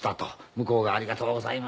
向こうが「ありがとうございました」